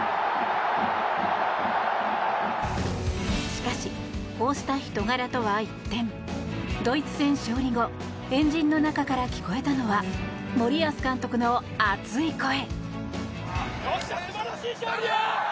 しかしこうした人柄とは一転ドイツ戦勝利後円陣の中から聞こえたのは森保監督の熱い声。